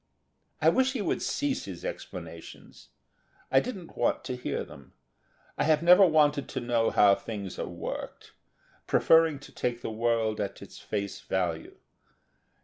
I wish he would cease his explanations I didn't want to hear them. I have never wanted to know how things are worked; preferring to take the world at its face value.